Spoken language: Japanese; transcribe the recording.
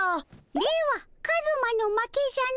ではカズマの負けじゃの。